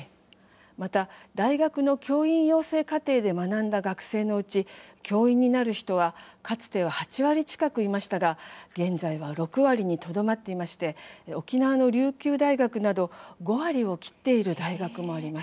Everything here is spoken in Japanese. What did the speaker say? また、大学の教員養成課程で学んだ学生のうち教員になる人は、かつては８割近くいましたが現在は６割にとどまっていまして沖縄の琉球大学など５割を切っている大学もあります。